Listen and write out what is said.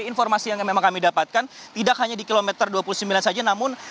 informasi yang memang kami dapatkan tidak hanya di kilometer dua puluh sembilan saja namun